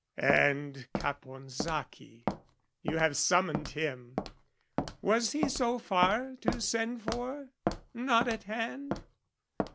And Caponsacchi, you have summoned him, Was he so far to send for? Not at hand?